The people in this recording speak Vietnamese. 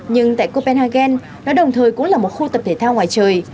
nhưng tại copenhagen nó đồng thời cũng là một khu tập thể thao ngoài trời